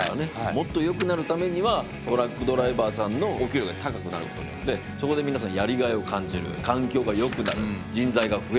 もっとよくなるためにはトラックドライバーさんのお給料が高くなることによってそこで皆さんやりがいを感じる環境がよくなる人材が増える。